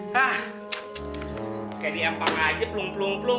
kayaknya ini empang aja plum plum plum